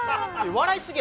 笑い過ぎ